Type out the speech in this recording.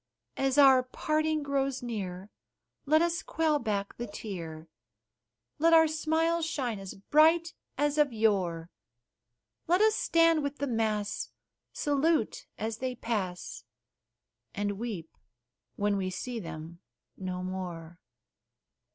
As our parting grows near, let us quell back the tear, Let our smiles shine as bright as of yore; Let us stand with the mass, salute as they pass, And weep when we see them no more.